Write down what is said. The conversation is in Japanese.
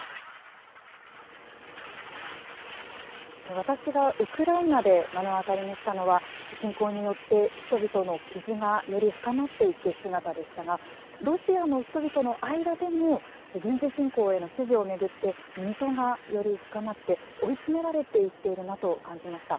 私がウクライナで目の当たりにしたのは侵攻によって人々の傷がより深まっていく姿でしたがロシアの人々の間でも軍事侵攻への支持を巡って溝がより深まって追い詰められていっているなと感じました。